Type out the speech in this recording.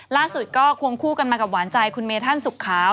ล่าจกบกับหวานใจคุณเมธั่นสุกขาว